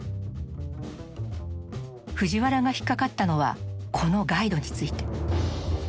藤原が引っ掛かったのはこのガイドについて。